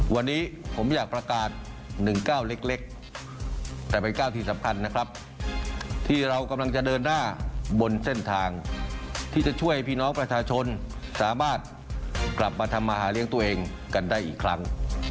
วันนี้ผมอยากประกาศ๑๙เล็กแต่เป็นก้าวที่สำคัญนะครับที่เรากำลังจะเดินหน้าบนเส้นทางที่จะช่วยพี่น้องประชาชนสามารถกลับมาทำมาหาเลี้ยงตัวเองกันได้อีกครั้ง